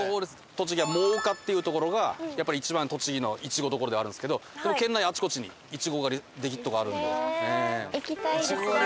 栃木は真岡っていう所が一番栃木のイチゴどころではあるんですけど県内あちこちにイチゴ狩りできる所あるんで。